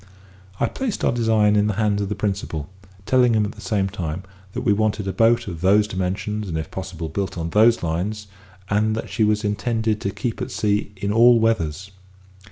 I placed our design in the hands of the principal, telling him at the same time that we wanted a boat of those dimensions, and, if possible, built on those lines, and that she was intended to keep at sea in all weathers.